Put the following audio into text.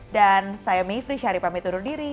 dan saya mivri syarifah mitur diri